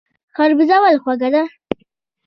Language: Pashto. خربوزه ولې خوږه ده؟